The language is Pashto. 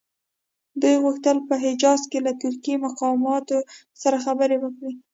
دوی غوښتل په حجاز کې له ترکي مقاماتو سره خبرې وکړي.